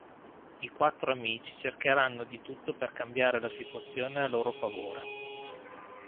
I quattro amici cercheranno di tutto per cambiare la situazione a loro favore.